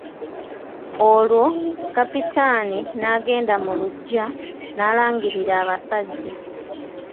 Olwo Kapitaani n'agenda mu luggya n'alangirira abasajja.